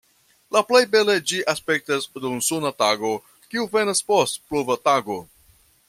La plej bele ĝi aspektas dum suna tago, kiu venas post pluva tago.